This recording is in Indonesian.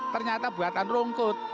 ternyata buatan rongkut